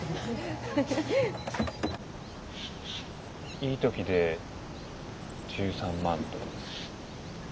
いい時で１３万とかです。